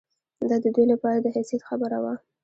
دا د دوی لپاره د حیثیت خبره وه.